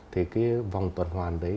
thì cái vòng tuần hoàn đấy